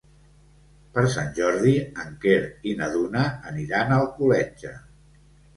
Per Sant Jordi en Quer i na Duna aniran a Alcoletge.